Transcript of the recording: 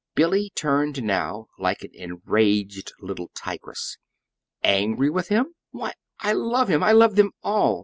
Billy turned now like an enraged little tigress. "Angry with him! Why, I love him I love them all!